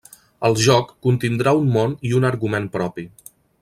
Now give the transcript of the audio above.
El joc contindrà un món i un argument propi.